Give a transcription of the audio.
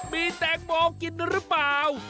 มีแตงโมกินหรือเปล่า